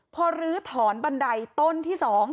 พอลื้อถอนบันไดต้นที่๒